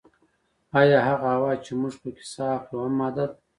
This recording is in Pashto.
ایا هغه هوا چې موږ پکې ساه اخلو هم ماده ده